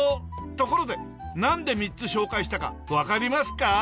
ところでなんで３つ紹介したかわかりますか？